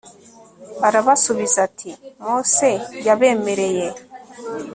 arabasubiza ati, mose yabemereye